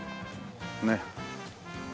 ねえ。